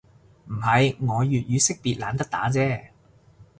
唔係，我粵語識別懶得打啫